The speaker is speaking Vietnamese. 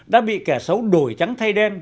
đã bị kẻ xấu đổi trắng thay đen